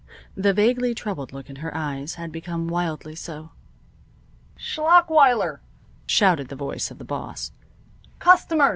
The vaguely troubled look in her eyes had become wildly so. "Schlachweiler!" shouted the voice of the boss. "Customers!"